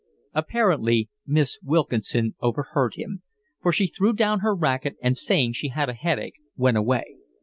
Apparently Miss Wilkinson overheard him, for she threw down her racket, and, saying she had a headache, went away.